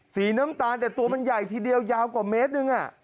สีน้ำตาลแต่ตัวมันใหญ่ทีเดียวยาวกว่าเมตรหนึ่ง